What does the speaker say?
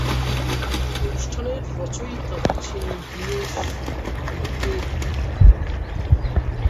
অনুষ্ঠানটির রচয়িতা হচ্ছেন দিনেশ ব্রিগেডিয়ার।